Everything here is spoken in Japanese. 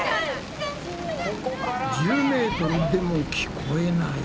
１０ｍでも聞こえない。